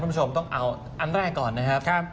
คุณผู้ชมต้องเอาอันแรกก่อนนะครับ